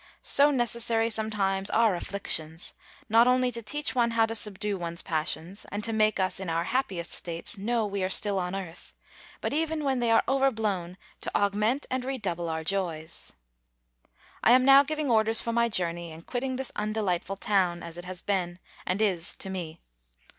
So necessary sometimes are afflictions, not only to teach one how to subdue one's passions, and to make us, in our happiest states, know we are still on earth, but even when they are overblown to augment and redouble our joys! I am now giving orders for my journey, and quitting this undelightful town, as it has been, and is, to me.